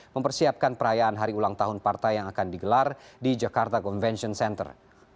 mempersiapkan perayaan hari ulang tahun partai yang akan digelar di jakarta convention center